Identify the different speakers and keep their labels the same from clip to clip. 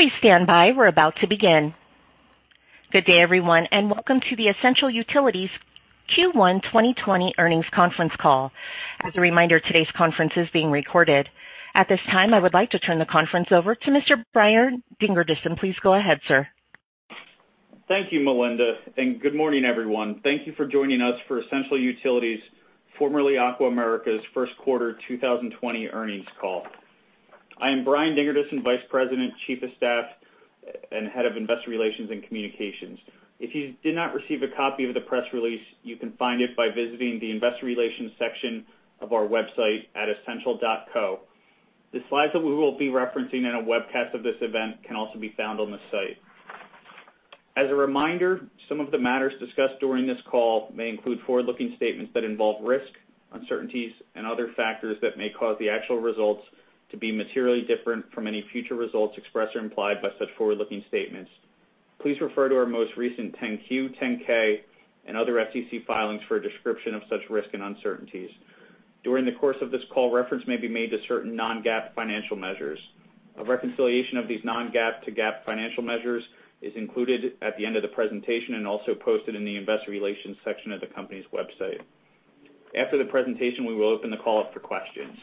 Speaker 1: Please stand by. We're about to begin. Good day, everyone, and welcome to the Essential Utilities Q1 2020 earnings conference call. As a reminder, today's conference is being recorded. At this time, I would like to turn the conference over to Mr. Brian Dingerdissen. Please go ahead, sir.
Speaker 2: Thank you, Melinda, and good morning, everyone. Thank you for joining us for Essential Utilities, formerly Aqua America's first quarter 2020 earnings call. I am Brian Dingerdissen, Vice President, Chief of Staff, and Head of Investor Relations and Communications. If you did not receive a copy of the press release, you can find it by visiting the investor relations section of our website at essential.co. The slides that we will be referencing in a webcast of this event can also be found on the site. As a reminder, some of the matters discussed during this call may include forward-looking statements that involve risk, uncertainties, and other factors that may cause the actual results to be materially different from any future results expressed or implied by such forward-looking statements. Please refer to our most recent 10-Q, 10-K, and other SEC filings for a description of such risk and uncertainties. During the course of this call, reference may be made to certain non-GAAP financial measures. A reconciliation of these non-GAAP to GAAP financial measures is included at the end of the presentation and also posted in the investor relations section of the company's website. After the presentation, we will open the call up for questions.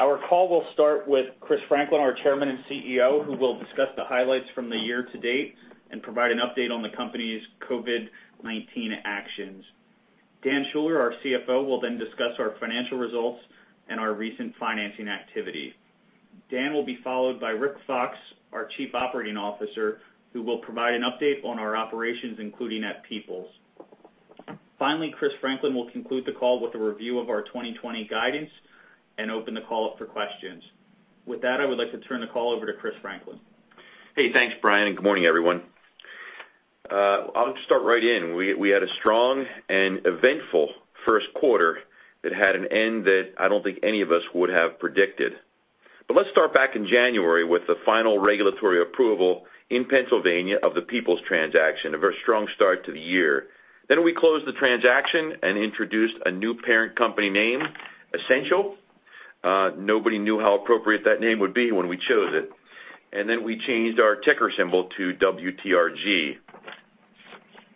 Speaker 2: Our call will start with Chris Franklin, our Chairman and CEO, who will discuss the highlights from the year to date and provide an update on the company's COVID-19 actions. Dan Schuller, our CFO, will discuss our financial results and our recent financing activity. Dan will be followed by Rick Fox, our Chief Operating Officer, who will provide an update on our operations, including at Peoples. Finally, Chris Franklin will conclude the call with a review of our 2020 guidance and open the call up for questions. With that, I would like to turn the call over to Chris Franklin.
Speaker 3: Hey, thanks, Brian, and good morning, everyone. I'll just start right in. We had a strong and eventful first quarter that had an end that I don't think any of us would have predicted. Let's start back in January with the final regulatory approval in Pennsylvania of the Peoples transaction, a very strong start to the year. We closed the transaction and introduced a new parent company name, Essential. Nobody knew how appropriate that name would be when we chose it. We changed our ticker symbol to WTRG.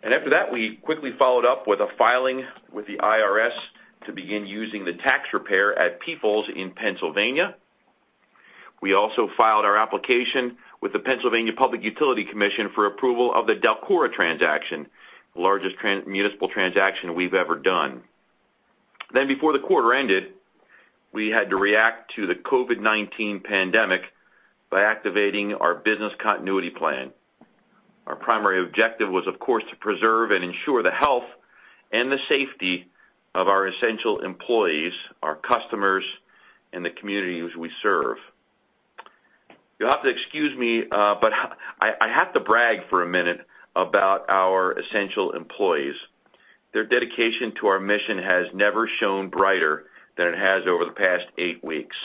Speaker 3: After that, we quickly followed up with a filing with the IRS to begin using the tax repair at Peoples in Pennsylvania. We also filed our application with the Pennsylvania Public Utility Commission for approval of the DELCORA transaction, the largest municipal transaction we've ever done. Before the quarter ended, we had to react to the COVID-19 pandemic by activating our business continuity plan. Our primary objective was, of course, to preserve and ensure the health and the safety of our essential employees, our customers, and the communities we serve. You'll have to excuse me, I have to brag for a minute about our Essential employees. Their dedication to our mission has never shone brighter than it has over the past eight weeks.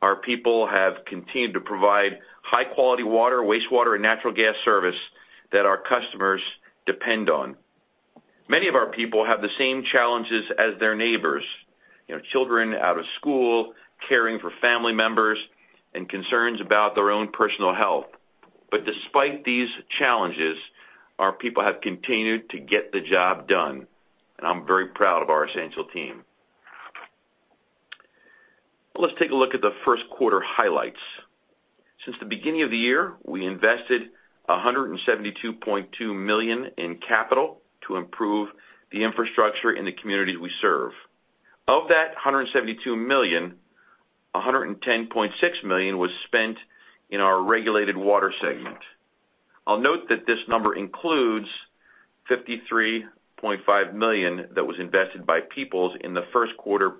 Speaker 3: Our people have continued to provide high-quality water, wastewater, and natural gas service that our customers depend on. Many of our people have the same challenges as their neighbors, children out of school, caring for family members, and concerns about their own personal health. Despite these challenges, our people have continued to get the job done, and I'm very proud of our Essential team. Let's take a look at the first quarter highlights. Since the beginning of the year, we invested $172.2 million in capital to improve the infrastructure in the communities we serve. Of that $172 million, $110.6 million was spent in our regulated water segment. I'll note that this number includes $53.5 million that was invested by Peoples in the first quarter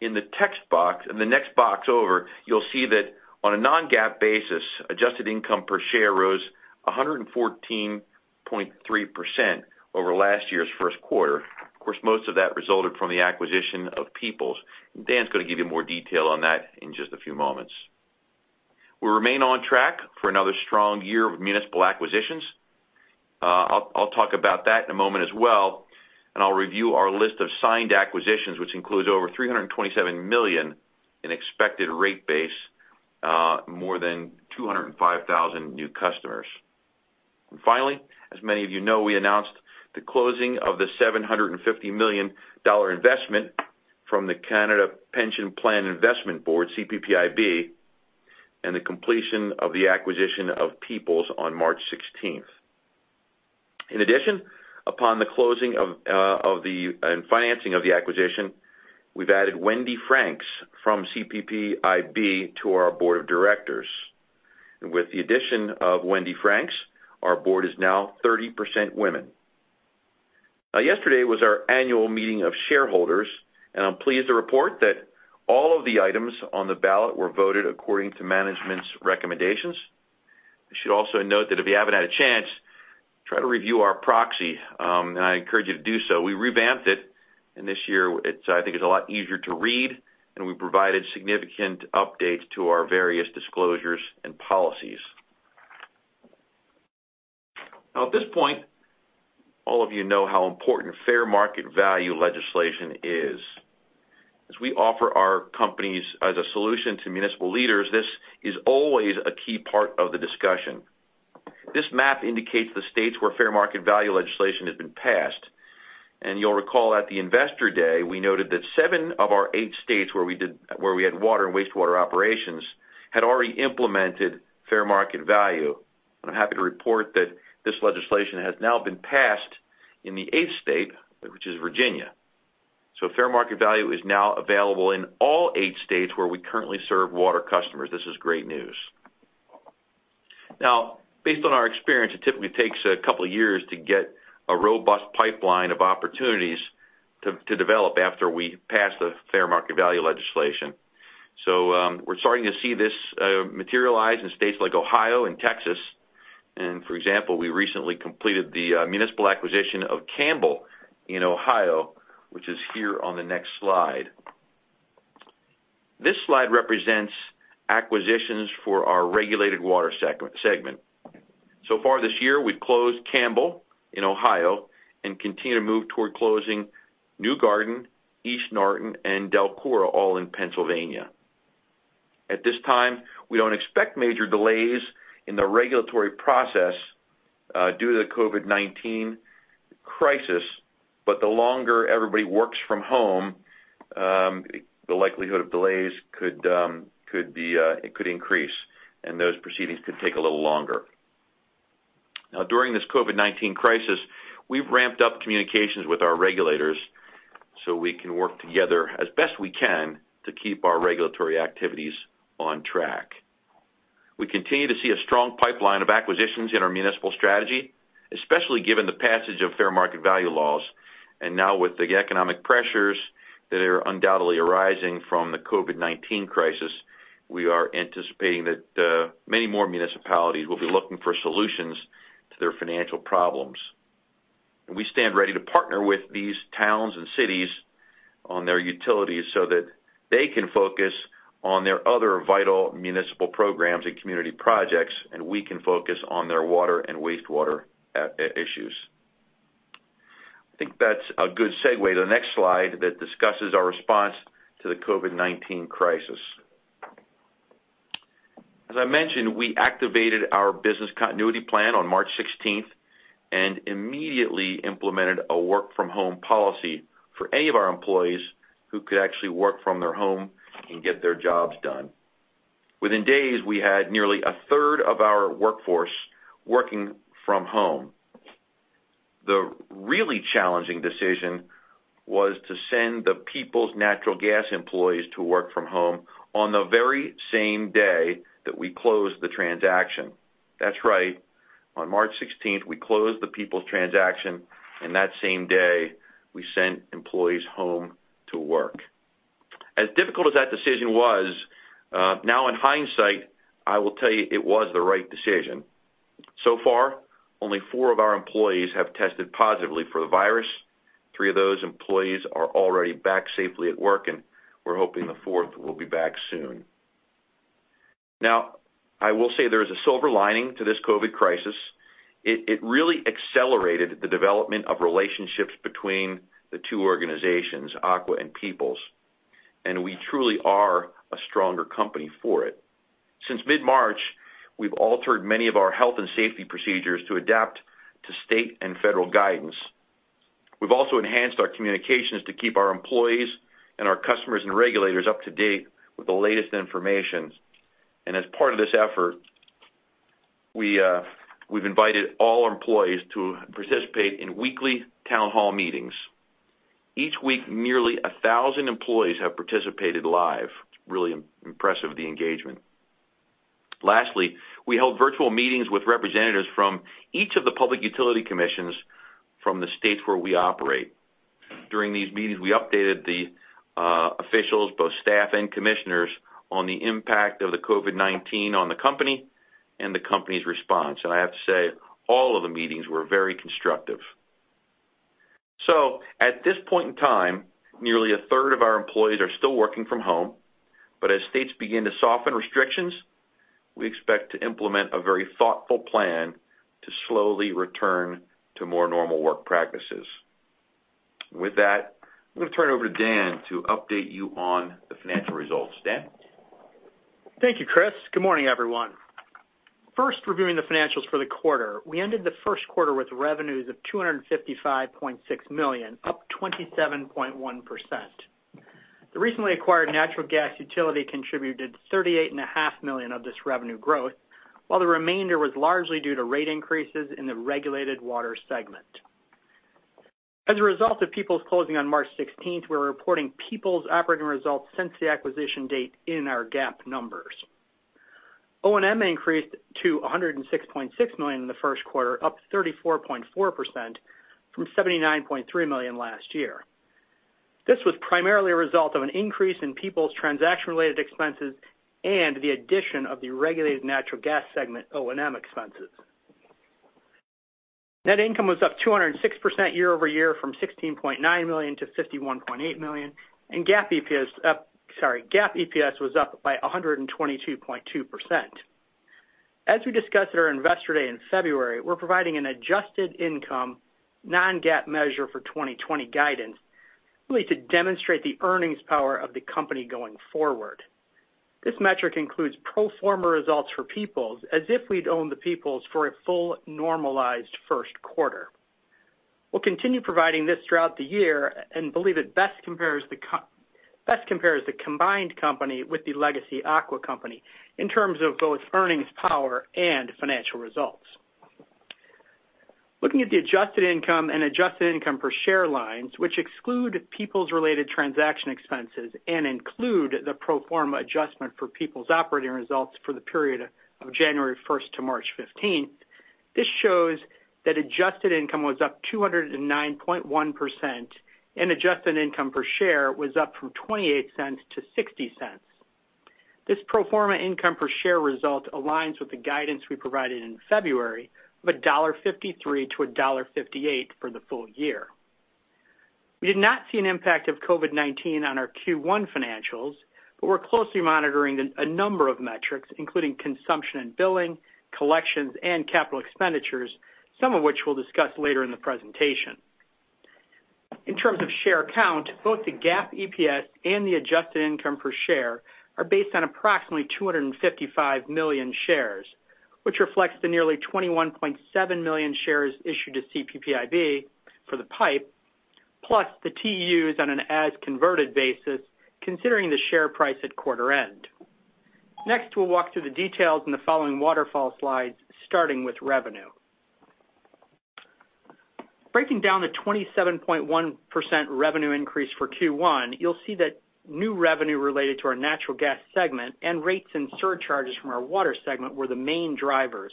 Speaker 3: pre-closing. In the next box over, you'll see that on a non-GAAP basis, adjusted income per share rose 114.3% over last year's first quarter. Of course, most of that resulted from the acquisition of Peoples. Dan's going to give you more detail on that in just a few moments. We remain on track for another strong year of municipal acquisitions. I'll talk about that in a moment as well. I'll review our list of signed acquisitions, which includes over $327 million in expected rate base, more than 205,000 new customers. Finally, as many of you know, we announced the closing of the $750 million investment from the Canada Pension Plan Investment Board, CPPIB, and the completion of the acquisition of Peoples on March 16th. In addition, upon the closing and financing of the acquisition, we've added Wendy Franks from CPPIB to our board of directors. With the addition of Wendy Franks, our board is now 30% women. Now, yesterday was our annual meeting of shareholders, and I'm pleased to report that all of the items on the ballot were voted according to management's recommendations. You should also note that if you haven't had a chance, try to review our proxy, and I encourage you to do so. We revamped it, and this year, I think it's a lot easier to read, and we provided significant updates to our various disclosures and policies. Now, at this point, all of you know how important fair market value legislation is. As we offer our companies as a solution to municipal leaders, this is always a key part of the discussion. This map indicates the states where fair market value legislation has been passed, and you'll recall at the Investor Day, we noted that seven of our eight states where we had water and wastewater operations had already implemented fair market value. I'm happy to report that this legislation has now been passed in the eighth state, which is Virginia. Fair market value is now available in all eight states where we currently serve water customers. This is great news. Based on our experience, it typically takes a couple of years to get a robust pipeline of opportunities to develop after we pass the fair market value legislation. We're starting to see this materialize in states like Ohio and Texas. For example, we recently completed the municipal acquisition of Campbell in Ohio, which is here on the next slide. This slide represents acquisitions for our regulated water segment. Far this year, we've closed Campbell in Ohio and continue to move toward closing New Garden, East Norriton, and DELCORA, all in Pennsylvania. At this time, we don't expect major delays in the regulatory process due to the COVID-19 crisis, but the longer everybody works from home, the likelihood of delays could increase, and those proceedings could take a little longer. Now, during this COVID-19 crisis, we've ramped up communications with our regulators so we can work together as best we can to keep our regulatory activities on track. We continue to see a strong pipeline of acquisitions in our municipal strategy, especially given the passage of fair market value laws. Now with the economic pressures that are undoubtedly arising from the COVID-19 crisis, we are anticipating that many more municipalities will be looking for solutions to their financial problems. We stand ready to partner with these towns and cities on their utilities so that they can focus on their other vital municipal programs and community projects, and we can focus on their water and wastewater issues. I think that's a good segue to the next slide that discusses our response to the COVID-19 crisis. As I mentioned, we activated our business continuity plan on March 16th and immediately implemented a work from home policy for any of our employees who could actually work from their home and get their jobs done. Within days, we had nearly a third of our workforce working from home. The really challenging decision was to send the Peoples Natural Gas employees to work from home on the very same day that we closed the transaction. That's right. On March 16th, we closed the Peoples transaction, and that same day, we sent employees home to work. As difficult as that decision was, now in hindsight, I will tell you it was the right decision. So far, only four of our employees have tested positively for the virus. Three of those employees are already back safely at work, and we're hoping the fourth will be back soon. I will say there is a silver lining to this COVID crisis. It really accelerated the development of relationships between the two organizations, Aqua and Peoples, and we truly are a stronger company for it. Since mid-March, we've altered many of our health and safety procedures to adapt to state and federal guidance. We've also enhanced our communications to keep our employees and our customers and regulators up to date with the latest information. As part of this effort, we've invited all our employees to participate in weekly town hall meetings. Each week, nearly 1,000 employees have participated live. It's really impressive, the engagement. Lastly, we held virtual meetings with representatives from each of the public utility commissions from the states where we operate. During these meetings, we updated the officials, both staff and commissioners, on the impact of the COVID-19 on the company and the company's response. I have to say, all of the meetings were very constructive. At this point in time, nearly a third of our employees are still working from home. As states begin to soften restrictions, we expect to implement a very thoughtful plan to slowly return to more normal work practices. With that, I'm going to turn it over to Dan to update you on the financial results. Dan?
Speaker 4: Thank you, Chris. Good morning, everyone. First, reviewing the financials for the quarter. We ended the first quarter with revenues of $255.6 million, up 27.1%. The recently acquired natural gas utility contributed $38.5 million of this revenue growth, while the remainder was largely due to rate increases in the regulated water segment. As a result of Peoples closing on March 16th, we're reporting Peoples operating results since the acquisition date in our GAAP numbers. O&M increased to $106.6 million in the first quarter, up 34.4% from $79.3 million last year. This was primarily a result of an increase in Peoples transaction-related expenses and the addition of the regulated natural gas segment O&M expenses. Net income was up 206% year-over-year from $16.9 million to $51.8 million, and GAAP EPS was up by 122.2%. As we discussed at our Investor Day in February, we're providing an adjusted income non-GAAP measure for 2020 guidance, really to demonstrate the earnings power of the company going forward. This metric includes pro forma results for as if we'd owned the Peoples for a full normalized first quarter. We'll continue providing this throughout the year and believe it best compares the combined company with the legacy Aqua company in terms of both earnings power and financial results. Looking at the adjusted income and adjusted income per share lines, which exclude Peoples related transaction expenses and include the pro forma adjustment for Peoples operating results for the period of January 1st to March 15th. This shows that adjusted income was up 209.1% and adjusted income per share was up from $0.28-$0.60. This pro forma income per share result aligns with the guidance we provided in February of a $1.53-$1.58 for the full year. We did not see an impact of COVID-19 on our Q1 financials, but we're closely monitoring a number of metrics, including consumption and billing, collections, and capital expenditures, some of which we'll discuss later in the presentation. In terms of share count, both the GAAP EPS and the adjusted income per share are based on approximately 255 million shares, which reflects the nearly 21.7 million shares issued to CPPIB for the PIPE, plus the TEUs on an as-converted basis considering the share price at quarter end. Next, we'll walk through the details in the following waterfall slides, starting with revenue. Breaking down the 27.1% revenue increase for Q1, you'll see that new revenue related to our natural gas segment and rates and surcharges from our water segment were the main drivers,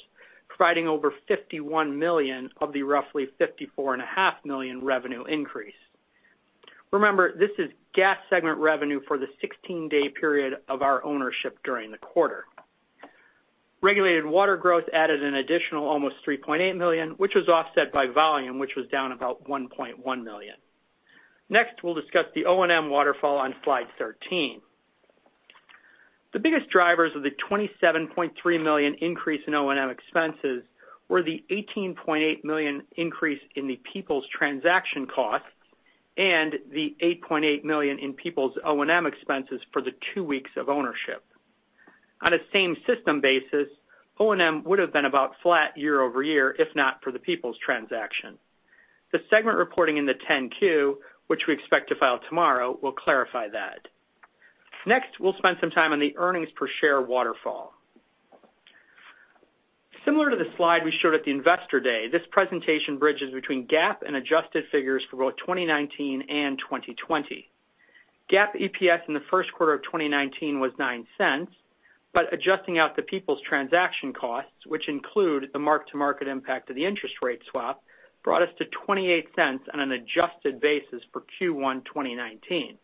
Speaker 4: providing over $51 million of the roughly $54.5 million revenue increase. Remember, this is gas segment revenue for the 16-day period of our ownership during the quarter. Regulated water growth added an additional almost $3.8 million, which was offset by volume, which was down about $1.1 million. Next, we'll discuss the O&M waterfall on slide 13. The biggest drivers of the $27.3 million increase in O&M expenses were the $18.8 million increase in the Peoples transaction costs and the $8.8 million in Peoples O&M expenses for the two weeks of ownership. On a same system basis, O&M would have been about flat year-over-year if not for the Peoples transaction. The segment reporting in the 10-Q, which we expect to file tomorrow, will clarify that. Similar to the slide we showed at the Investor Day, this presentation bridges between GAAP and adjusted figures for both 2019 and 2020. GAAP EPS in the first quarter of 2019 was $0.09, but adjusting out the Peoples transaction costs, which include the mark-to-market impact of the interest rate swap, brought us to $0.28 on an adjusted basis for Q1 2019.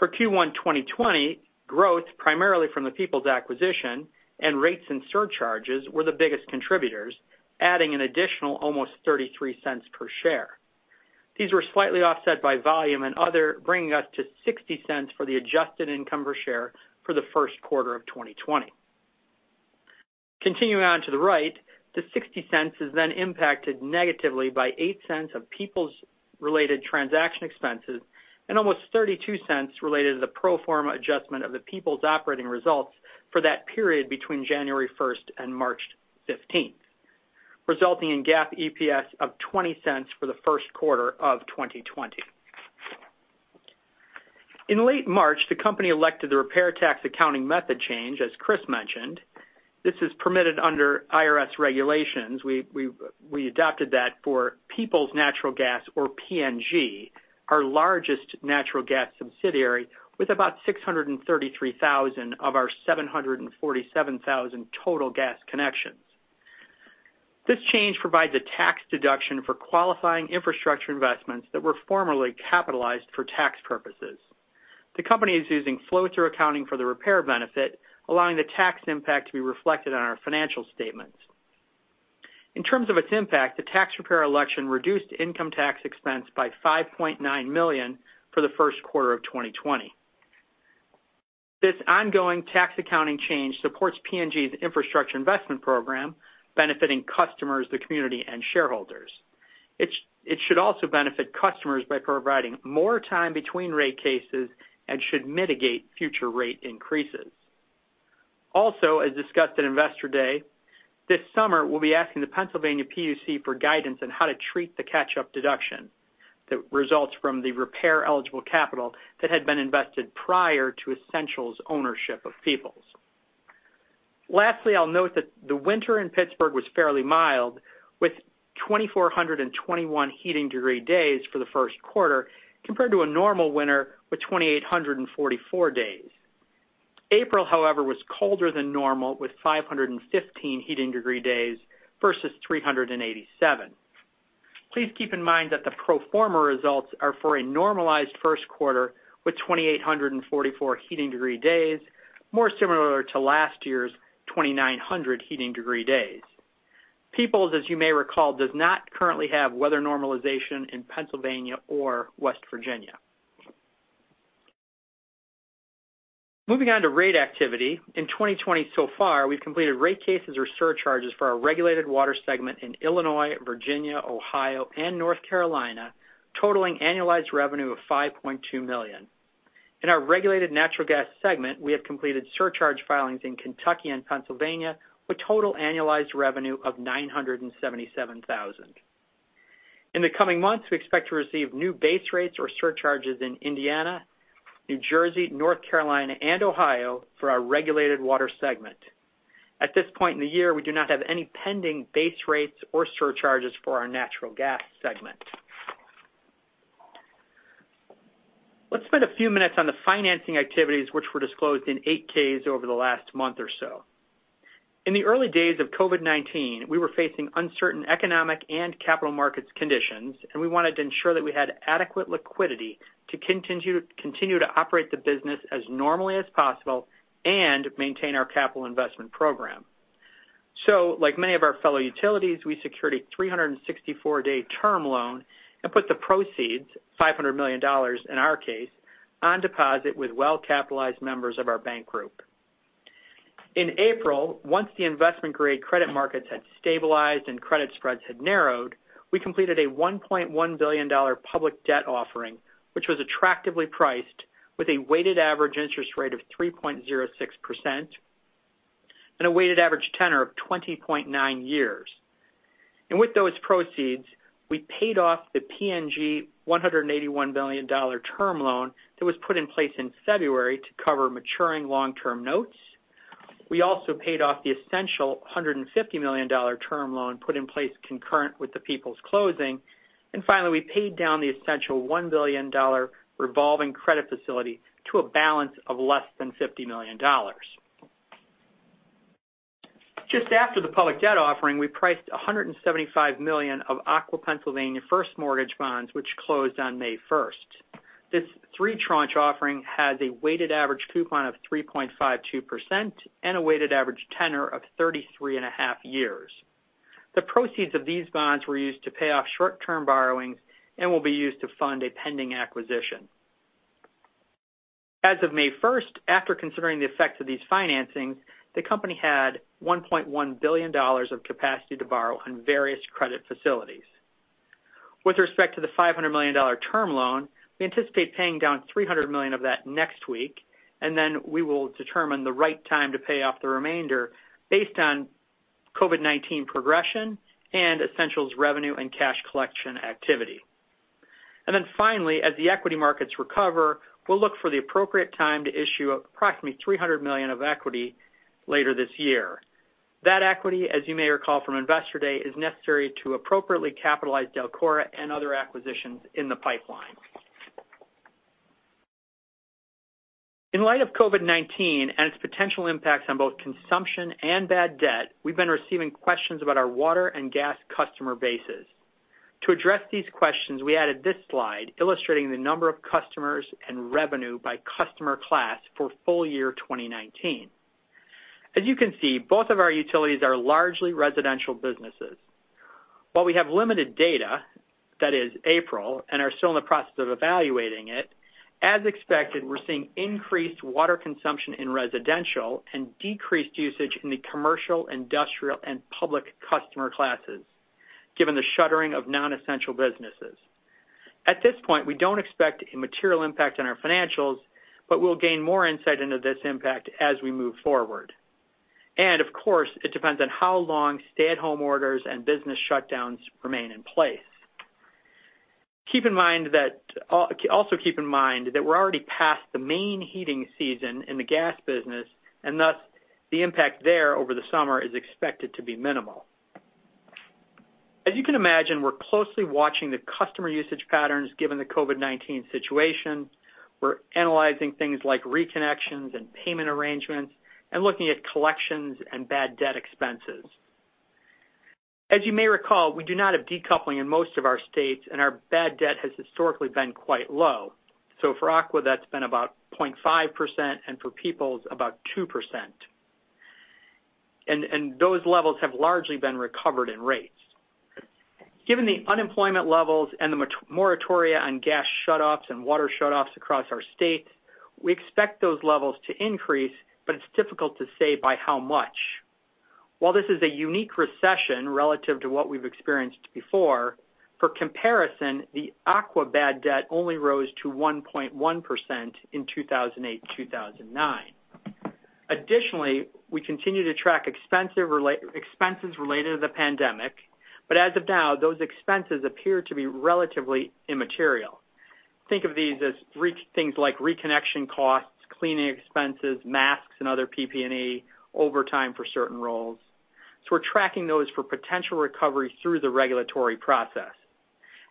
Speaker 4: For Q1 2020, growth, primarily from the Peoples acquisition and rates and surcharges, were the biggest contributors, adding an additional almost $0.33 per share. These were slightly offset by volume and other, bringing us to $0.60 for the adjusted income per share for the first quarter of 2020. Continuing on to the right, the $0.60 is then impacted negatively by $0.08 of Peoples related transaction expenses and almost $0.32 related to the pro forma adjustment of the Peoples operating results for that period between January 1st and March 15th, resulting in GAAP EPS of $0.20 for the first quarter of 2020. In late March, the company elected the repair tax accounting method change, as Chris mentioned. This is permitted under IRS regulations. We adopted that for Peoples Natural Gas or PNG, our largest natural gas subsidiary, with about 633,000 of our 747,000 total gas connections. This change provides a tax deduction for qualifying infrastructure investments that were formerly capitalized for tax purposes. The company is using flow-through accounting for the repair benefit, allowing the tax impact to be reflected on our financial statements. In terms of its impact, the tax repair reduced income tax expense by $5.9 million for the first quarter of 2020. This ongoing tax accounting change supports PNG's infrastructure investment program, benefiting customers, the community, and shareholders. It should also benefit customers by providing more time between rate cases and should mitigate future rate increases. As discussed at Investor Day, this summer, we'll be asking the Pennsylvania PUC for guidance on how to treat the catch-up deduction that results from the repair-eligible capital that had been invested prior to Essential's ownership of Peoples. Lastly, I'll note that the winter in Pittsburgh was fairly mild, with 2,421 heating degree days for the first quarter, compared to a normal winter with 2,844 days. April, however, was colder than normal, with 515 heating degree days versus 387. Please keep in mind that the pro forma results are for a normalized first quarter with 2,844 heating degree days, more similar to last year's 2,900 heating degree days. Peoples, as you may recall, does not currently have weather normalization in Pennsylvania or West Virginia. Moving on to rate activity. In 2020 so far, we've completed rate cases or surcharges for our regulated water segment in Illinois, Virginia, Ohio, and North Carolina, totaling annualized revenue of $5.2 million. In our regulated natural gas segment, we have completed surcharge filings in Kentucky and Pennsylvania with total annualized revenue of $977,000. In the coming months, we expect to receive new base rates or surcharges in Indiana, New Jersey, North Carolina, and Ohio for our regulated water segment. At this point in the year, we do not have any pending base rates or surcharges for our natural gas segment. Let's spend a few minutes on the financing activities, which were disclosed in 8-Ks over the last month or so. In the early days of COVID-19, we were facing uncertain economic and capital markets conditions, and we wanted to ensure that we had adequate liquidity to continue to operate the business as normally as possible and maintain our capital investment program. Like many of our fellow utilities, we secured a 364-day term loan and put the proceeds, $500 million in our case, on deposit with well-capitalized members of our bank group. In April, once the investment-grade credit markets had stabilized and credit spreads had narrowed, we completed a $1.1 billion public debt offering, which was attractively priced with a weighted average interest rate of 3.06% and a weighted average tenor of 20.9 years. With those proceeds, we paid off the PNG $181 million term loan that was put in place in February to cover maturing long-term notes. We also paid off the Essential $150 million term loan put in place concurrent with the Peoples closing. Finally, we paid down the Essential $1 billion revolving credit facility to a balance of less than $50 million. Just after the public debt offering, we priced $175 million of Aqua Pennsylvania first mortgage bonds, which closed on May 1st. This three-tranche offering had a weighted average coupon of 3.52% and a weighted average tenor of 33 and a half years. The proceeds of these bonds were used to pay off short-term borrowings and will be used to fund a pending acquisition. As of May 1st, after considering the effects of these financings, the company had $1.1 billion of capacity to borrow on various credit facilities. With respect to the $500 million term loan, we anticipate paying down $300 million of that next week, and then we will determine the right time to pay off the remainder based on COVID-19 progression and Essential's revenue and cash collection activity. Finally, as the equity markets recover, we'll look for the appropriate time to issue approximately $300 million of equity later this year. That equity, as you may recall from Investor Day, is necessary to appropriately capitalize DELCORA and other acquisitions in the pipeline. In light of COVID-19 and its potential impacts on both consumption and bad debt, we've been receiving questions about our water and gas customer bases. To address these questions, we added this slide illustrating the number of customers and revenue by customer class for full year 2019. As you can see, both of our utilities are largely residential businesses. While we have limited data, that is April, and are still in the process of evaluating it, as expected, we're seeing increased water consumption in residential and decreased usage in the commercial, industrial, and public customer classes, given the shuttering of non-essential businesses. At this point, we don't expect a material impact on our financials, but we'll gain more insight into this impact as we move forward. Of course, it depends on how long stay-at-home orders and business shutdowns remain in place. Also keep in mind that we're already past the main heating season in the gas business, and thus, the impact there over the summer is expected to be minimal. As you can imagine, we're closely watching the customer usage patterns given the COVID-19 situation. We're analyzing things like reconnections and payment arrangements and looking at collections and bad debt expenses. As you may recall, we do not have decoupling in most of our states, and our bad debt has historically been quite low. For Aqua, that's been about 0.5%, and for Peoples about 2%. Those levels have largely been recovered in rates. Given the unemployment levels and the moratoria on gas shutoffs and water shutoffs across our state, we expect those levels to increase, but it's difficult to say by how much. While this is a unique recession relative to what we've experienced before, for comparison, the Aqua bad debt only rose to 1.1% in 2008-2009. Additionally, we continue to track expenses related to the pandemic, but as of now, those expenses appear to be relatively immaterial. Think of these as things like reconnection costs, cleaning expenses, masks and other PPE, overtime for certain roles. We're tracking those for potential recovery through the regulatory process.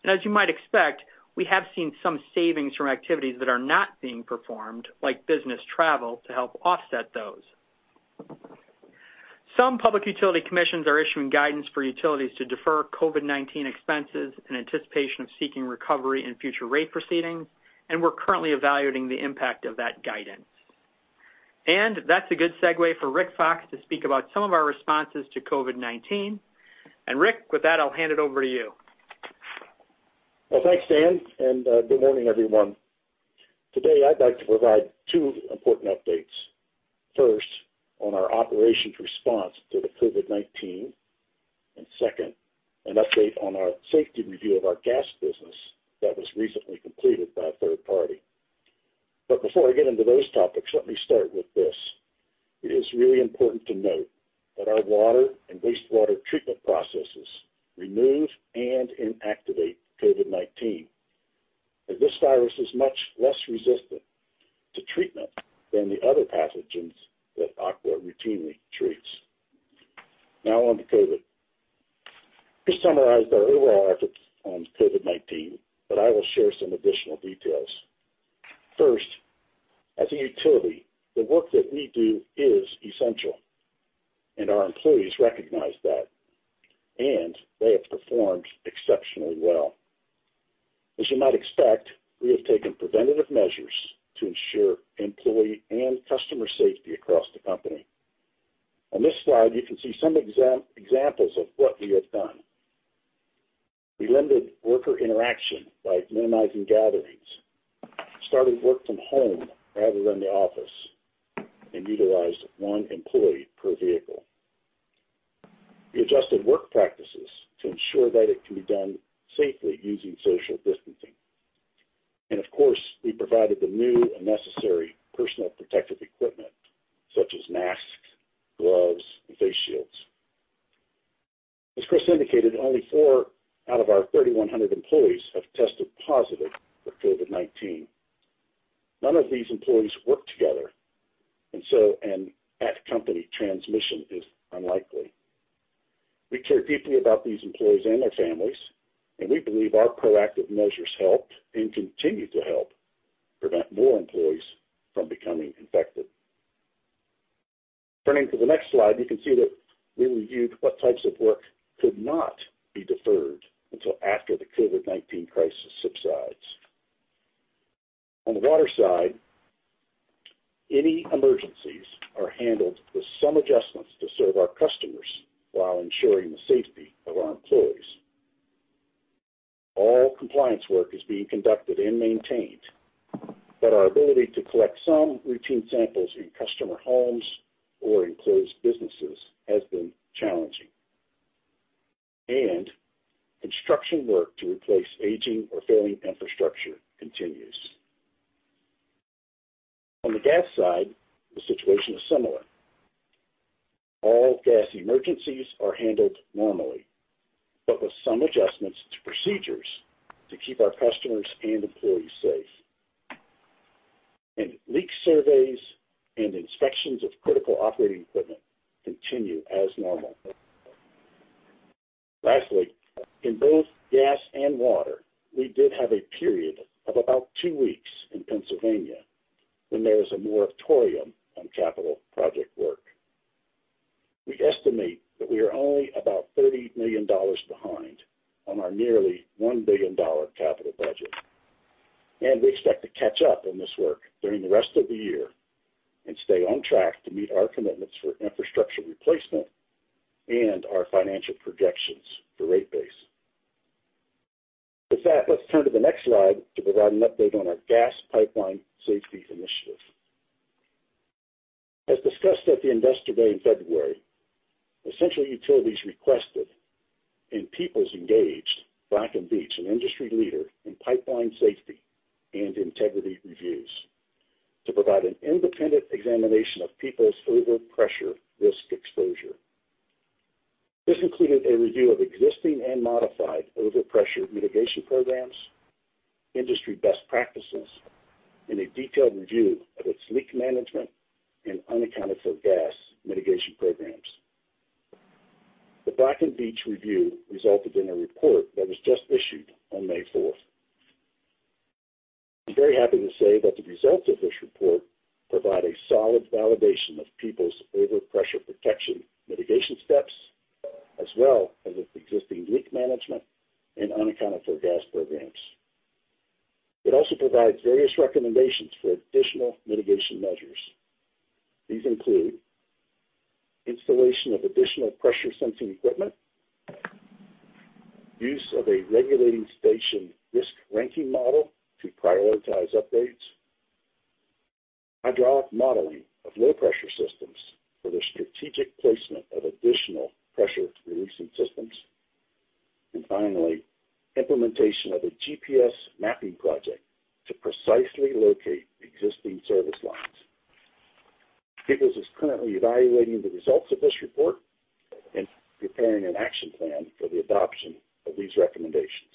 Speaker 4: And as you might expect, we have seen some savings from activities that are not being performed, like business travel, to help offset those. Some public utility commissions are issuing guidance for utilities to defer COVID-19 expenses in anticipation of seeking recovery in future rate proceedings, and we're currently evaluating the impact of that guidance. That's a good segue for Rick Fox to speak about some of our responses to COVID-19. Rick, with that, I'll hand it over to you.
Speaker 5: Well, thanks, Dan, and good morning, everyone. Today, I'd like to provide two important updates. First, on our operations response to the COVID-19, and second, an update on our safety review of our gas business that was recently completed by a third party. Before I get into those topics, let me start with this. It is really important to note that our water and wastewater treatment processes remove and inactivate COVID-19. This virus is much less resistant to treatment than the other pathogens that Aqua routinely treats. Now on to COVID. Chris summarized our overall efforts on COVID-19, I will share some additional details. First, as a utility, the work that we do is essential, and our employees recognize that, and they have performed exceptionally well. As you might expect, we have taken preventative measures to ensure employee and customer safety across the company. On this slide, you can see some examples of what we have done. We limited worker interaction by minimizing gatherings, started work from home rather than the office, and utilized one employee per vehicle. We adjusted work practices to ensure that it can be done safely using social distancing. Of course, we provided the new and necessary personal protective equipment, such as masks, gloves, and face shields. As Chris indicated, only four out of our 3,100 employees have tested positive for COVID-19. None of these employees work together, an at-company transmission is unlikely. We care deeply about these employees and their families, we believe our proactive measures helped and continue to help prevent more employees from becoming infected. Turning to the next slide, you can see that we reviewed what types of work could not be deferred until after the COVID-19 crisis subsides. On the water side, any emergencies are handled with some adjustments to serve our customers while ensuring the safety of our employees. All compliance work is being conducted and maintained, but our ability to collect some routine samples in customer homes or in closed businesses has been challenging. Construction work to replace aging or failing infrastructure continues. On the gas side, the situation is similar. All gas emergencies are handled normally, but with some adjustments to procedures to keep our customers and employees safe. Leak surveys and inspections of critical operating equipment continue as normal. Lastly, in both gas and water, we did have a period of about two weeks in Pennsylvania when there was a moratorium on capital project work. We estimate that we are only about $30 million behind on our nearly $1 billion capital budget. We expect to catch up on this work during the rest of the year and stay on track to meet our commitments for infrastructure replacement and our financial projections for rate base. With that, let's turn to the next slide to provide an update on our gas pipeline safety initiatives. As discussed at the Investor Day in February, Essential Utilities requested, Peoples Gas engaged Black & Veatch, an industry leader in pipeline safety and integrity reviews, to provide an independent examination of Peoples' overpressure risk exposure. This included a review of existing and modified overpressure mitigation programs, industry best practices, and a detailed review of its leak management and unaccounted-for gas mitigation programs. The Black & Veatch review resulted in a report that was just issued on May 4th. I'm very happy to say that the results of this report provide a solid validation of Peoples' overpressure protection mitigation steps, as well as its existing leak management and unaccounted-for gas programs. It also provides various recommendations for additional mitigation measures. These include installation of additional pressure sensing equipment, use of a regulating station risk-ranking model to prioritize updates, hydraulic modeling of low-pressure systems for the strategic placement of additional pressure-releasing systems, and finally, implementation of a GPS mapping project to precisely locate existing service lines. Peoples is currently evaluating the results of this report and preparing an action plan for the adoption of these recommendations.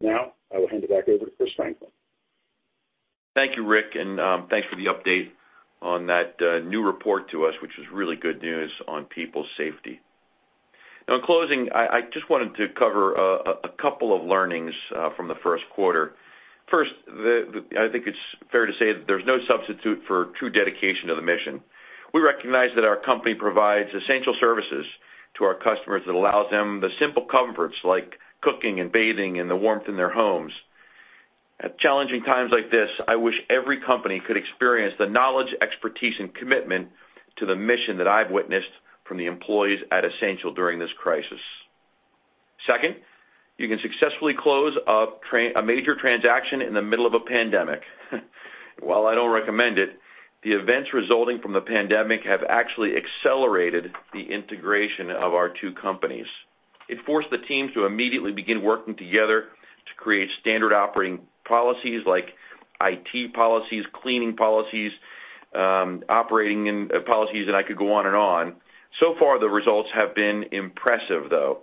Speaker 5: Now, I will hand it back over to Chris Franklin.
Speaker 3: Thank you, Rick, and thanks for the update on that new report to us, which is really good news on people's safety. In closing, I just wanted to cover a couple of learnings from the first quarter. I think it's fair to say that there's no substitute for true dedication to the mission. We recognize that our company provides essential services to our customers that allows them the simple comforts like cooking and bathing and the warmth in their homes. At challenging times like this, I wish every company could experience the knowledge, expertise, and commitment to the mission that I've witnessed from the employees at Essential during this crisis. You can successfully close a major transaction in the middle of a pandemic. While I don't recommend it, the events resulting from the pandemic have actually accelerated the integration of our two companies. It forced the teams to immediately begin working together to create standard operating policies like IT policies, cleaning policies, operating policies, and I could go on and on. So far, the results have been impressive, though,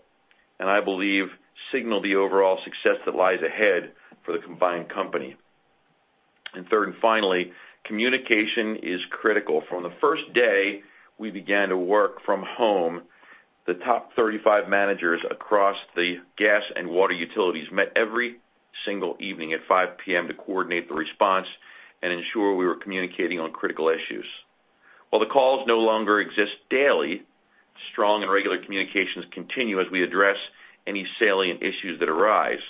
Speaker 3: and I believe signal the overall success that lies ahead for the combined company. Third and finally, communication is critical. From the first day we began to work from home, the top 35 managers across the gas and water utilities met every single evening at 5:00 P.M. to coordinate the response and ensure we were communicating on critical issues. While the calls no longer exist daily, strong and regular communications continue as we address any salient issues that arise.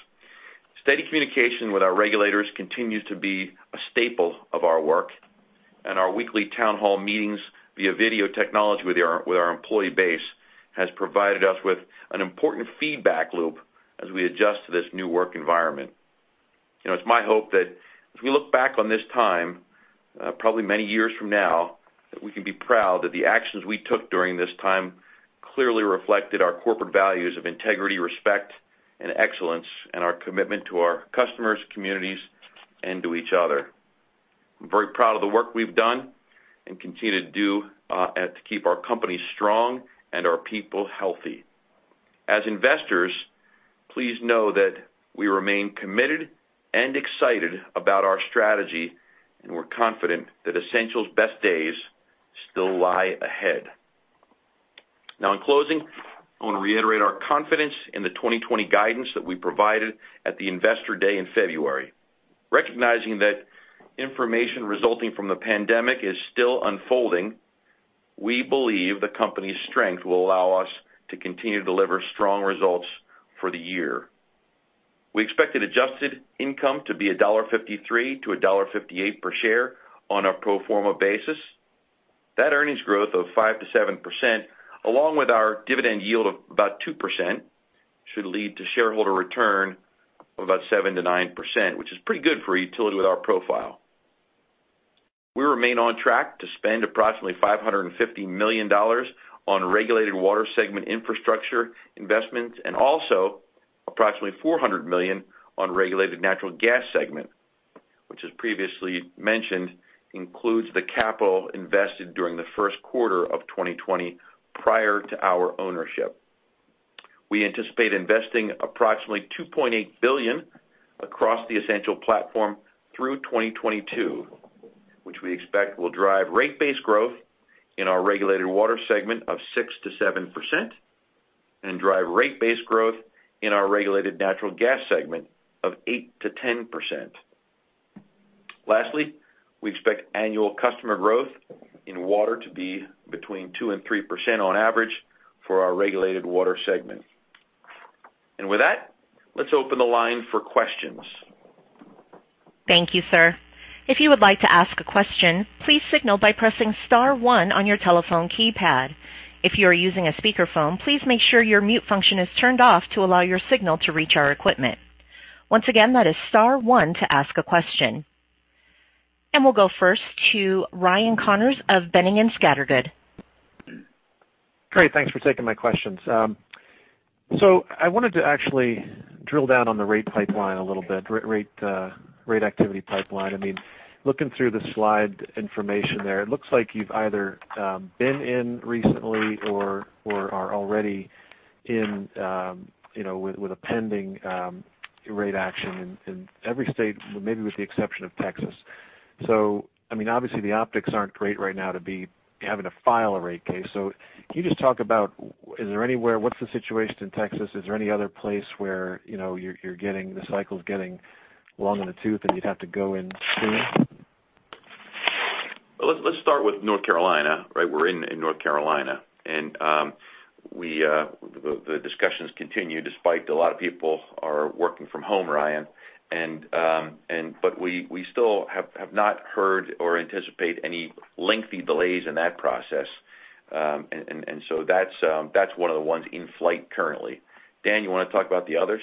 Speaker 3: Steady communication with our regulators continues to be a staple of our work, and our weekly town hall meetings via video technology with our employee base has provided us with an important feedback loop as we adjust to this new work environment. It's my hope that as we look back on this time, probably many years from now, that we can be proud that the actions we took during this time clearly reflected our corporate values of integrity, respect, and excellence, and our commitment to our customers, communities, and to each other. I'm very proud of the work we've done and continue to do to keep our company strong and our people healthy. As investors, please know that we remain committed and excited about our strategy, and we're confident that Essential's best days still lie ahead. In closing, I want to reiterate our confidence in the 2020 guidance that we provided at the Investor Day in February. Recognizing that information resulting from the pandemic is still unfolding, we believe the company's strength will allow us to continue to deliver strong results for the year. We expected adjusted income to be $1.53-$1.58 per share on a pro forma basis. Earnings growth of 5%-7%, along with our dividend yield of about 2%, should lead to shareholder return of about 7%-9%, which is pretty good for a utility with our profile. We remain on track to spend approximately $550 million on regulated water segment infrastructure investments and also approximately $400 million on regulated natural gas segment, which, as previously mentioned, includes the capital invested during the first quarter of 2020 prior to our ownership. We anticipate investing approximately $2.8 billion across the Essential platform through 2022, which we expect will drive rate base growth in our regulated water segment of 6%-7% and drive rate base growth in our regulated natural gas segment of 8%-10%. Lastly, we expect annual customer growth in water to be between 2% and 3% on average for our regulated water segment. With that, let's open the line for questions.
Speaker 1: Thank you, sir. If you would like to ask a question, please signal by pressing star one on your telephone keypad. If you are using a speakerphone, please make sure your mute function is turned off to allow your signal to reach our equipment. Once again, that is star one to ask a question. We'll go first to Ryan Connors of Boenning & Scattergood.
Speaker 6: Great. Thanks for taking my questions. I wanted to actually drill down on the rate pipeline a little bit, rate activity pipeline. Looking through the slide information there, it looks like you've either been in recently or are already in with a pending rate action in every state, maybe with the exception of Texas. Obviously the optics aren't great right now to be having to file a rate case. Can you just talk about what's the situation in Texas? Is there any other place where the cycle's getting long in the tooth and you'd have to go in soon?
Speaker 3: Let's start with North Carolina. We're in North Carolina, the discussions continue despite a lot of people are working from home, Ryan. We still have not heard or anticipate any lengthy delays in that process. That's one of the ones in flight currently. Dan, you want to talk about the others?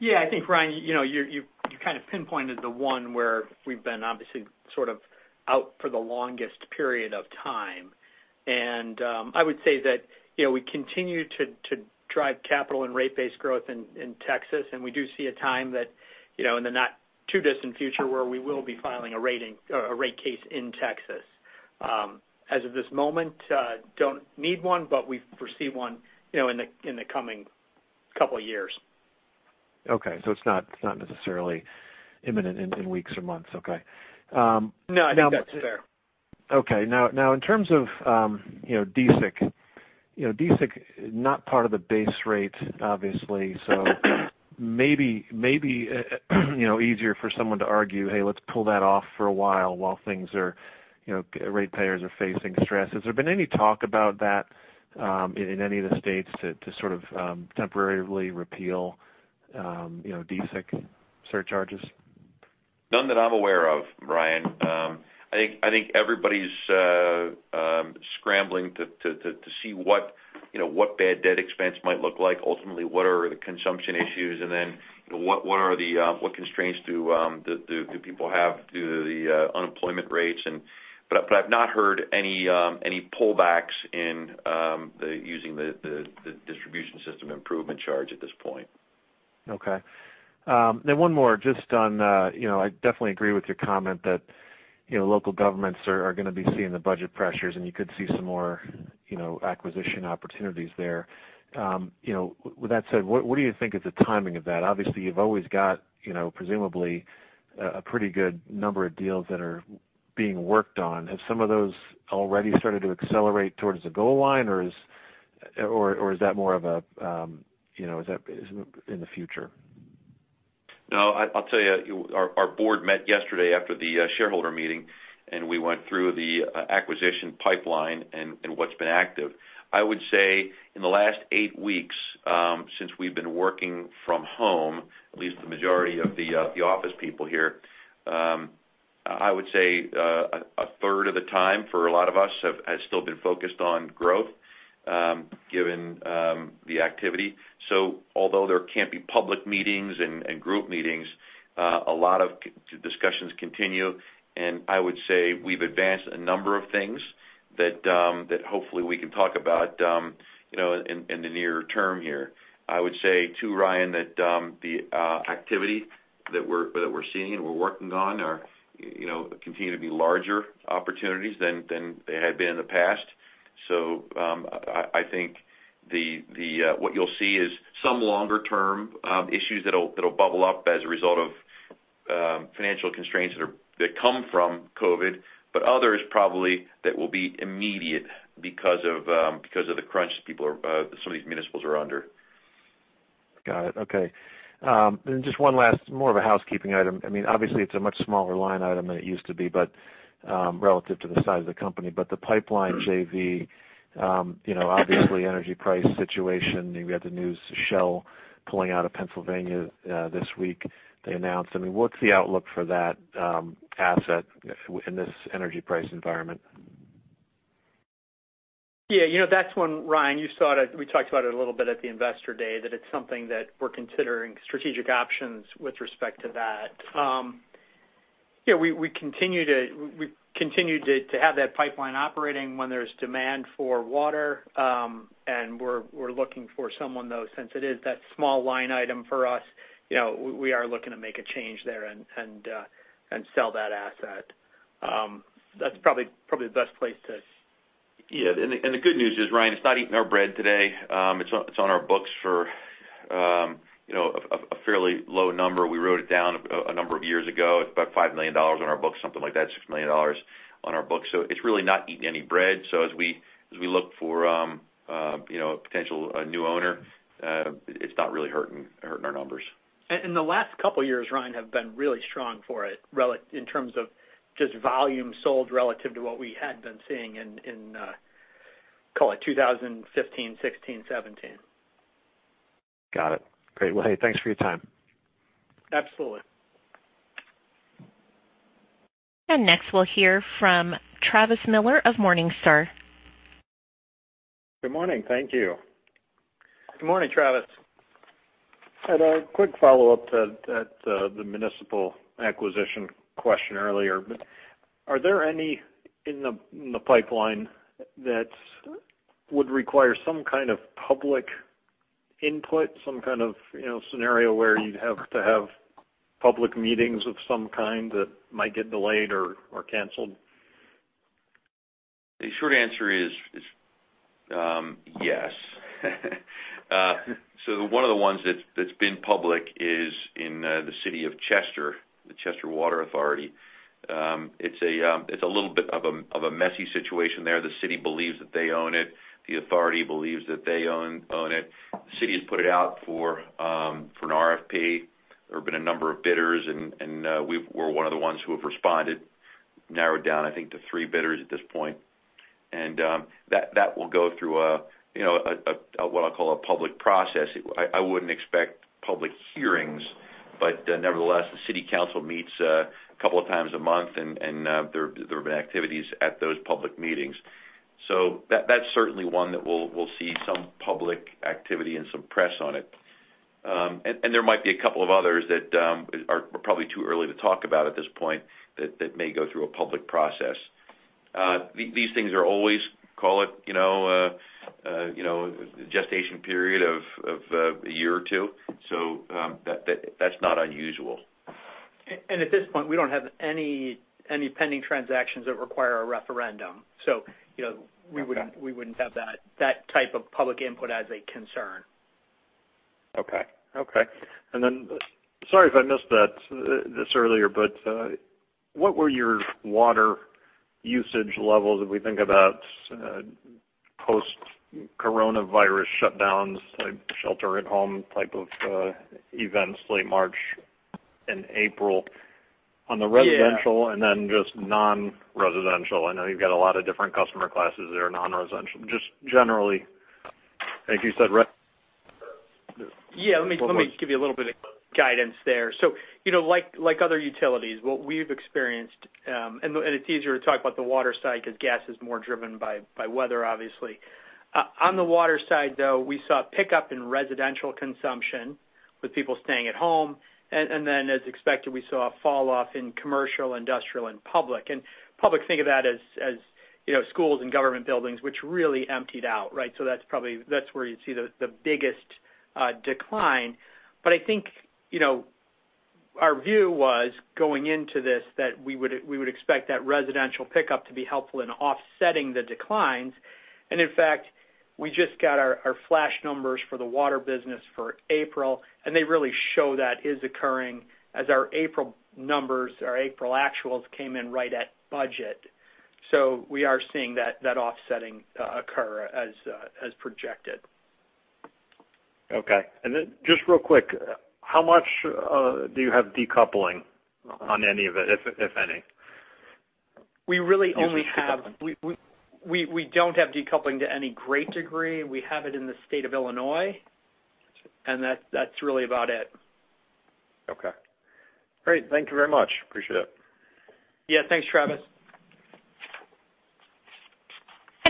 Speaker 4: Yeah, I think, Ryan, you kind of pinpointed the one where we've been obviously sort of out for the longest period of time. I would say that we continue to drive capital and rate base growth in Texas, and we do see a time that in the not-too-distant future where we will be filing a rate case in Texas. As of this moment, don't need one, but we foresee one in the coming couple of years.
Speaker 6: Okay. It's not necessarily imminent in weeks or months. Okay.
Speaker 4: No, I think that's fair.
Speaker 6: Okay. In terms of DSIC. DSIC, not part of the base rate, obviously. Maybe easier for someone to argue, "Hey, let's pull that off for a while ratepayers are facing stress." Has there been any talk about that, in any of the states to temporarily repeal DSIC surcharges?
Speaker 3: None that I'm aware of, Ryan. I think everybody's scrambling to see what bad debt expense might look like, ultimately, what are the consumption issues, and then what constraints do people have due to the unemployment rates. I've not heard any pullbacks in using the distribution system improvement charge at this point.
Speaker 6: Okay. One more. I definitely agree with your comment that local governments are going to be seeing the budget pressures, and you could see some more acquisition opportunities there. With that said, what do you think is the timing of that? Obviously, you've always got presumably a pretty good number of deals that are being worked on. Have some of those already started to accelerate towards the goal line, or is that more in the future?
Speaker 3: I'll tell you, our board met yesterday after the shareholder meeting, we went through the acquisition pipeline and what's been active. I would say in the last eight weeks, since we've been working from home, at least the majority of the office people here, I would say, a third of the time for a lot of us has still been focused on growth, given the activity. Although there can't be public meetings and group meetings, a lot of discussions continue, and I would say we've advanced a number of things that hopefully we can talk about in the near term here. I would say, too, Ryan, that the activity that we're seeing and we're working on continue to be larger opportunities than they had been in the past. I think what you'll see is some longer-term issues that'll bubble up as a result of financial constraints that come from COVID, but others probably that will be immediate because of the crunch some of these municipals are under.
Speaker 6: Got it. Okay. Just one last, more of a housekeeping item. Obviously, it's a much smaller line item than it used to be, but relative to the size of the company, but the pipeline JV, obviously energy price situation, you had the news, Shell pulling out of Pennsylvania this week, they announced. What's the outlook for that asset in this energy price environment?
Speaker 4: Yeah. That's one, Ryan, we talked about it a little bit at the Investor Day, that it's something that we're considering strategic options with respect to that. We continue to have that pipeline operating when there's demand for water, and we're looking for someone, though, since it is that small line item for us. We are looking to make a change there and sell that asset. That's probably the best place to.
Speaker 3: Yeah. The good news is, Ryan, it's not eating our bread today. It's on our books for a fairly low number. We wrote it down a number of years ago. It's about $5 million on our books, something like that, $6 million on our books. It's really not eating any bread. As we look for a potential new owner, it's not really hurting our numbers.
Speaker 4: The last couple years, Ryan, have been really strong for it in terms of just volume sold relative to what we had been seeing in, call it 2015, 2016, 2017.
Speaker 6: Got it. Great. Hey, thanks for your time.
Speaker 4: Absolutely.
Speaker 1: Next we'll hear from Travis Miller of Morningstar.
Speaker 7: Good morning. Thank you.
Speaker 3: Good morning, Travis.
Speaker 7: Had a quick follow-up to that, the municipal acquisition question earlier. Are there any in the pipeline that would require some kind of public input, some kind of scenario where you'd have to have public meetings of some kind that might get delayed or canceled?
Speaker 3: The short answer is yes. One of the ones that's been public is in the city of Chester, the Chester Water Authority. It's a little bit of a messy situation there. The city believes that they own it. The authority believes that they own it. The city has put it out for an RFP. There have been a number of bidders, and we're one of the ones who have responded. Narrowed down, I think, to three bidders at this point. That will go through what I'll call a public process. I wouldn't expect public hearings, but nevertheless, the city council meets a couple of times a month, and there have been activities at those public meetings. That's certainly one that we'll see some public activity and some press on it. There might be a couple of others that are probably too early to talk about at this point that may go through a public process. These things are always, call it, a gestation period of a year or two. That's not unusual.
Speaker 4: At this point, we don't have any pending transactions that require a referendum. We wouldn't have that type of public input as a concern.
Speaker 7: Okay. Then, sorry if I missed this earlier, but what were your water usage levels if we think about post-coronavirus shutdowns, like shelter at home type of events, late March and April?
Speaker 4: Yeah
Speaker 7: on the residential and then just non-residential. I know you've got a lot of different customer classes that are non-residential. Just generally, like you said.
Speaker 4: Let me give you a little bit of guidance there. Like other utilities, what we've experienced, and it's easier to talk about the water side because gas is more driven by weather, obviously. On the water side, though, we saw a pickup in residential consumption with people staying at home. As expected, we saw a fall off in commercial, industrial, and public. Public, think of that as schools and government buildings, which really emptied out, right? That's where you'd see the biggest decline. I think, our view was going into this, that we would expect that residential pickup to be helpful in offsetting the declines. In fact, we just got our flash numbers for the water business for April, and they really show that is occurring as our April numbers, our April actuals came in right at budget. We are seeing that offsetting occur as projected.
Speaker 7: Okay. Just real quick, how much do you have decoupling on any of it, if any?
Speaker 4: We don't have decoupling to any great degree. We have it in the state of Illinois, and that's really about it.
Speaker 7: Okay. Great. Thank you very much. Appreciate it.
Speaker 4: Yeah. Thanks, Travis.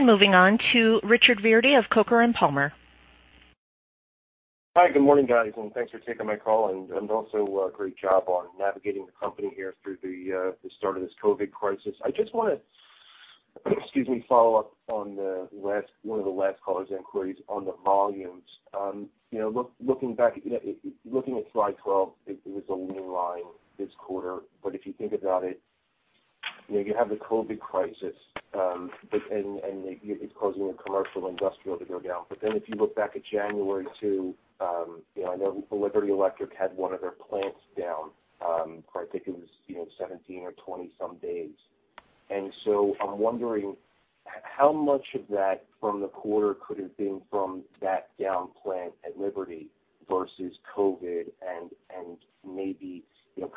Speaker 1: Moving on to Richard Verdi of Coker & Palmer.
Speaker 8: Hi, good morning, guys. Thanks for taking my call. Also a great job on navigating the company here through the start of this COVID crisis. I just want to, excuse me, follow up on one of the last caller's inquiries on the volumes. Looking at Slide 12, it was a lean line this quarter, but if you think about it, you have the COVID crisis, and it's causing the commercial industrial to go down. If you look back at January 2, I know Liberty Electric had one of their plants down, I think it was 17 or 20 some days. I'm wondering how much of that from the quarter could have been from that down plant at Liberty versus COVID, and maybe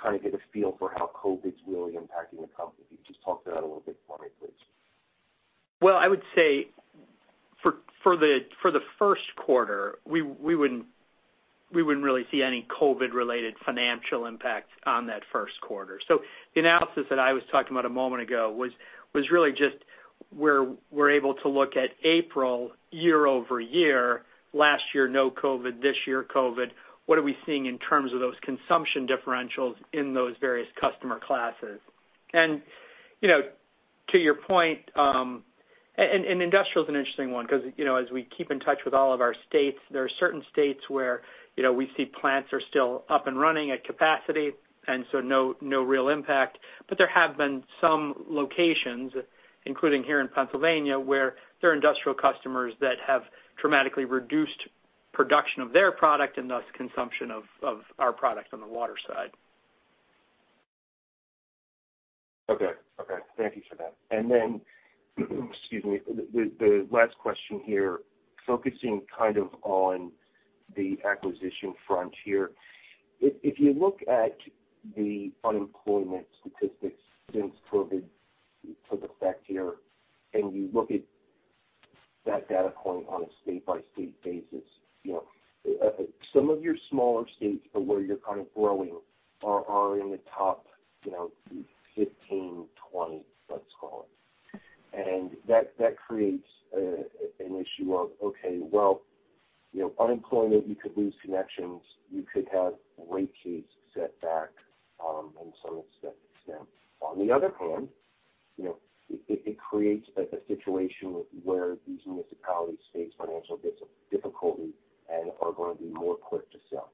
Speaker 8: kind of get a feel for how COVID's really impacting the company. Just talk to that a little bit for me, please.
Speaker 4: I would say for the first quarter, we wouldn't really see any COVID-related financial impact on that first quarter. The analysis that I was talking about a moment ago was really just we're able to look at April year-over-year, last year, no COVID, this year COVID, what are we seeing in terms of those consumption differentials in those various customer classes? To your point, industrial is an interesting one because as we keep in touch with all of our states, there are certain states where we see plants are still up and running at capacity, no real impact. There have been some locations, including here in Pennsylvania, where there are industrial customers that have dramatically reduced production of their product and thus consumption of our product on the water side.
Speaker 8: Okay. Thank you for that. Then, excuse me. The last question here, focusing kind of on the acquisition front here. If you look at the unemployment statistics since COVID took effect here, and you look at that data point on a state-by-state basis, some of your smaller states where you're kind of growing are in the top 15, 20, let's call it. That creates an issue of, okay, well, unemployment, you could lose connections, you could have rate case setback, and so on step extent. On the other hand, it creates a situation where these municipalities face financial difficulty and are going to be more quick to sell.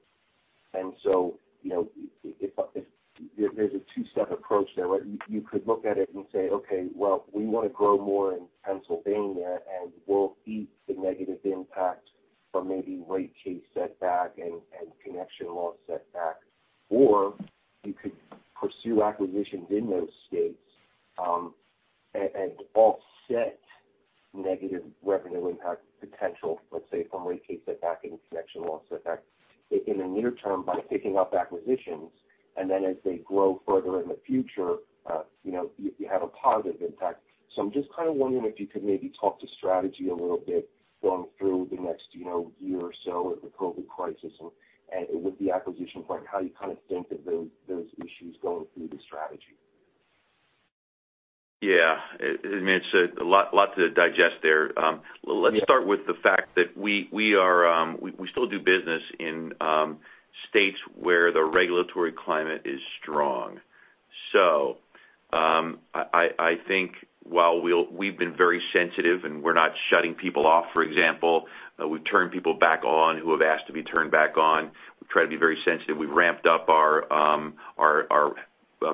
Speaker 8: There's a two-step approach there. You could look at it and say, "Okay, well, we want to grow more in Pennsylvania, and we'll eat the negative impact from maybe rate case setback and connection loss setback." You could pursue acquisitions in those states, and offset negative revenue impact potential, let's say from rate case setback and connection loss setback in the near term by picking up acquisitions. Then as they grow further in the future, you have a positive impact. I'm just kind of wondering if you could maybe talk to strategy a little bit going through the next year or so of the COVID crisis and with the acquisition point, how you kind of think of those issues going through the strategy.
Speaker 3: Yeah. I mean, it's a lot to digest there.
Speaker 8: Yeah.
Speaker 3: Let's start with the fact that we still do business in states where the regulatory climate is strong. I think while we've been very sensitive and we're not shutting people off, for example, we've turned people back on who have asked to be turned back on. We've tried to be very sensitive. We've ramped up our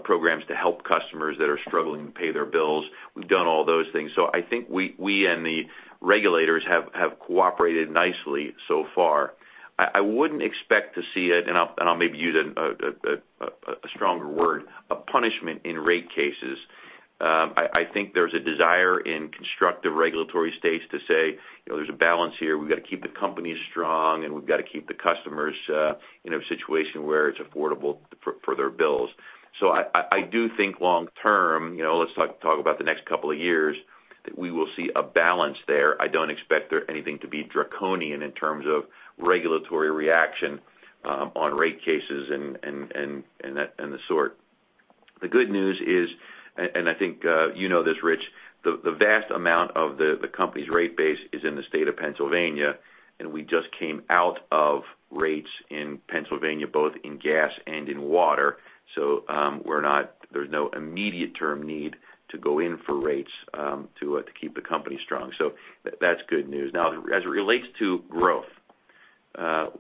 Speaker 3: programs to help customers that are struggling to pay their bills. We've done all those things. I think we and the regulators have cooperated nicely so far. I wouldn't expect to see it, and I'll maybe use a stronger word, a punishment in rate cases. I think there's a desire in constructive regulatory states to say, there's a balance here. We've got to keep the companies strong, and we've got to keep the customers in a situation where it's affordable for their bills. I do think long term, let's talk about the next couple of years, that we will see a balance there. I don't expect anything to be draconian in terms of regulatory reaction on rate cases and the sort. The good news is, and I think you know this, Rich, the vast amount of the company's rate base is in the state of Pennsylvania, and we just came out of rates in Pennsylvania, both in gas and in water. There's no immediate term need to go in for rates to keep the company strong. That's good news. Now, as it relates to growth,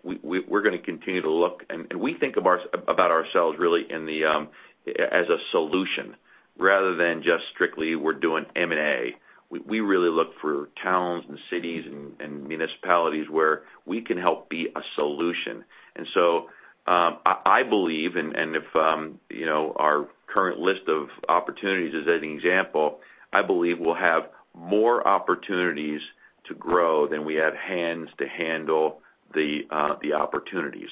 Speaker 3: we're going to continue to look, and we think about ourselves really as a solution rather than just strictly we're doing M&A. We really look for towns and cities and municipalities where we can help be a solution. I believe, and if our current list of opportunities is as an example, I believe we'll have more opportunities to grow than we have hands to handle the opportunities.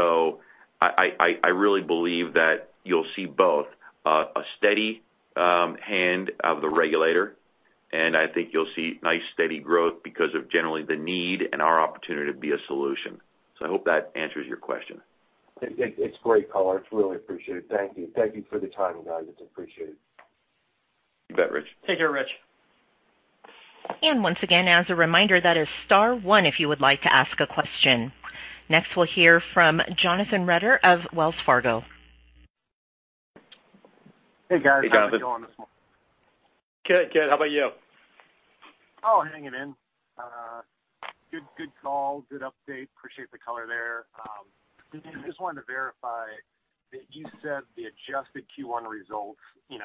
Speaker 3: I really believe that you'll see both a steady hand of the regulator, and I think you'll see nice steady growth because of generally the need and our opportunity to be a solution. I hope that answers your question.
Speaker 8: It's great, color. It's really appreciated. Thank you. Thank you for the time, you guys. It's appreciated.
Speaker 3: You bet, Rich.
Speaker 4: Take care, Rich.
Speaker 1: Once again, as a reminder, that is star one if you would like to ask a question. Next, we'll hear from Jonathan Reeder of Wells Fargo.
Speaker 9: Hey, guys.
Speaker 3: Hey, Jonathan.
Speaker 9: How's it going this morning?
Speaker 4: Good. How about you?
Speaker 9: Oh, hanging in. Good call, good update. Appreciate the color there. I just wanted to verify that you said the adjusted Q1 results, $0.60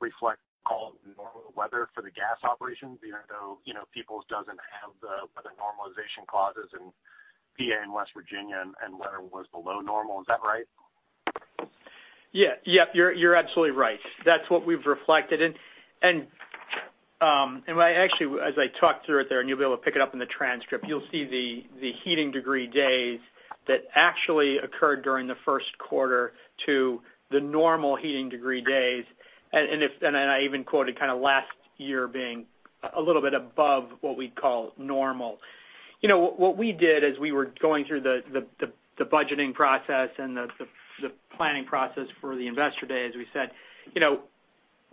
Speaker 9: reflect all normal weather for the gas operations, even though Peoples doesn't have the weather normalization clauses in P.A. and West Virginia and weather was below normal. Is that right?
Speaker 4: You're absolutely right. That's what we've reflected. Actually, as I talked through it there, and you'll be able to pick it up in the transcript, you'll see the heating degree days that actually occurred during the first quarter to the normal heating degree days. I even quoted kind of last year being a little bit above what we'd call normal. What we did as we were going through the budgeting process and the planning process for the Investor Day is we said,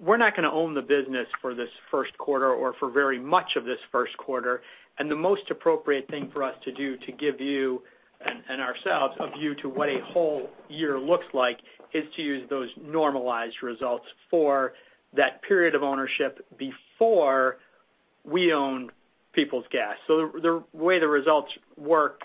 Speaker 4: we're not going to own the business for this first quarter or for very much of this first quarter. The most appropriate thing for us to do to give you and ourselves a view to what a whole year looks like is to use those normalized results for that period of ownership before we owned Peoples Gas. The way the results work,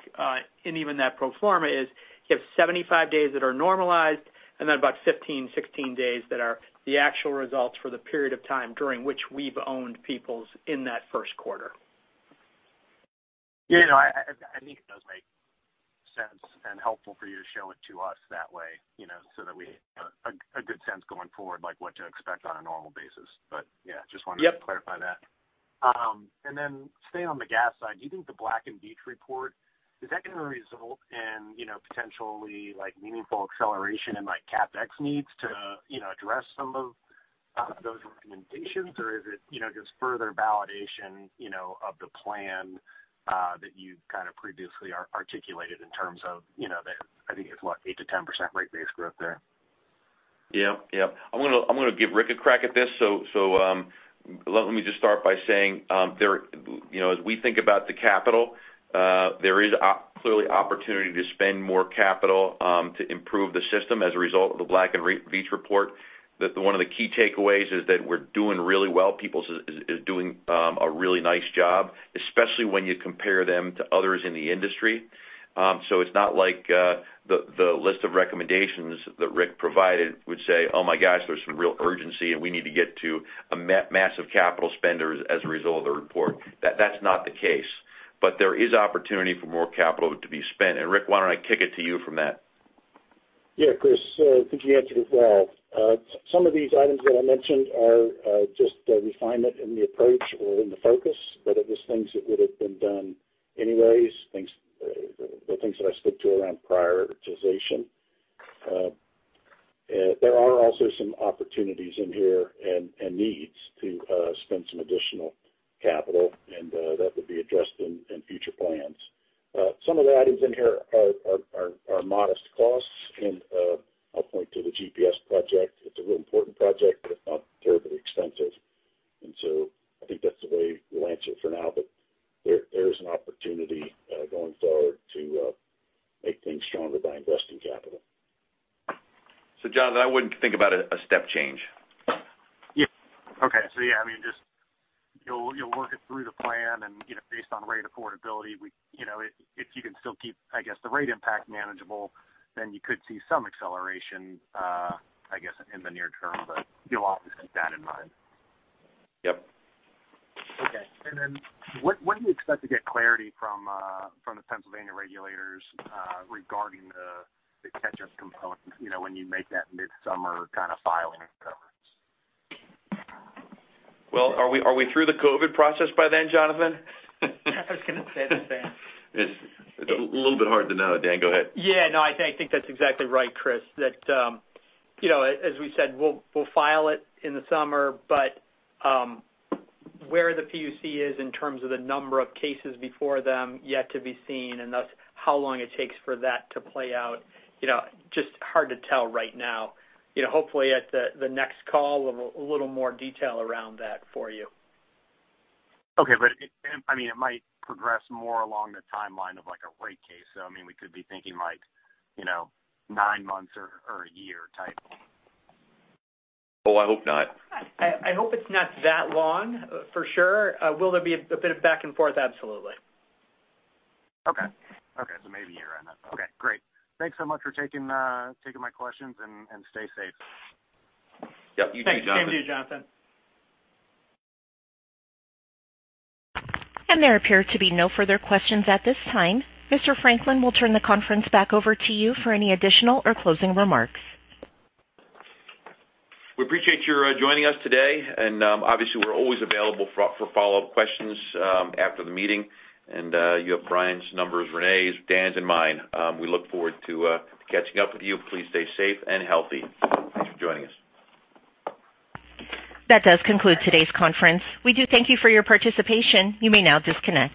Speaker 4: and even that pro forma is you have 75 days that are normalized, and then about 15, 16 days that are the actual results for the period of time during which we've owned Peoples in that first quarter.
Speaker 9: Yeah. I think it does make sense and helpful for you to show it to us that way, so that we have a good sense going forward what to expect on a normal basis. Yeah, just wanted to clarify that.
Speaker 4: Yep.
Speaker 9: Staying on the gas side, do you think the Black & Veatch report, is that going to result in potentially meaningful acceleration in CapEx needs to address some of those recommendations? Or is it just further validation of the plan that you previously articulated in terms of the, I think it's what, 8%-10% rate base growth there?
Speaker 3: Yeah. I'm going to give Rick a crack at this. Let me just start by saying as we think about the capital, there is clearly opportunity to spend more capital to improve the system as a result of the Black & Veatch report. One of the key takeaways is that we're doing really well. Peoples is doing a really nice job, especially when you compare them to others in the industry. It's not like the list of recommendations that Rick provided would say, "Oh my gosh, there's some real urgency and we need to get to a massive capital spend as a result of the report." That's not the case. There is opportunity for more capital to be spent. Rick, why don't I kick it to you from that?
Speaker 5: Chris, I think you answered it well. Some of these items that I mentioned are just a refinement in the approach or in the focus, but it was things that would have been done anyways, the things that I spoke to around prioritization. There are also some opportunities in here and needs to spend some additional capital, and that would be addressed in future plans. Some of the items in here are modest costs, and I'll point to the GPS project. It's a real important project, but it's not terribly expensive. I think that's the way we'll answer it for now, but there is an opportunity going forward to make things stronger by investing capital.
Speaker 3: Jonathan, I wouldn't think about a step change.
Speaker 9: Yeah. Okay. Yeah, you'll work it through the plan and based on rate affordability, if you can still keep the rate impact manageable, you could see some acceleration, I guess, in the near term, you'll obviously keep that in mind.
Speaker 3: Yep.
Speaker 9: Okay. When do you expect to get clarity from the Pennsylvania regulators regarding the catch-up component when you make that midsummer filing and so on?
Speaker 3: Well, are we through the COVID process by then, Jonathan?
Speaker 4: I was going to say the same.
Speaker 3: It's a little bit hard to know. Dan, go ahead.
Speaker 4: No, I think that's exactly right, Chris, that as we said, we'll file it in the summer, but where the PUC is in terms of the number of cases before them yet to be seen, and thus how long it takes for that to play out, just hard to tell right now. Hopefully at the next call, we'll have a little more detail around that for you.
Speaker 9: Okay. It might progress more along the timeline of a rate case. We could be thinking nine months or a year type.
Speaker 3: Oh, I hope not.
Speaker 4: I hope it's not that long, for sure. Will there be a bit of back and forth? Absolutely.
Speaker 9: Okay. Maybe a year on that. Okay, great. Thanks so much for taking my questions and stay safe.
Speaker 3: Yep, you too, Jonathan.
Speaker 4: Thanks. Same to you, Jonathan.
Speaker 1: There appear to be no further questions at this time. Mr. Franklin, we'll turn the conference back over to you for any additional or closing remarks.
Speaker 3: We appreciate your joining us today. Obviously we're always available for follow-up questions after the meeting. You have Brian's numbers, Renee's, Dan's, and mine. We look forward to catching up with you. Please stay safe and healthy. Thanks for joining us.
Speaker 1: That does conclude today's conference. We do thank you for your participation. You may now disconnect.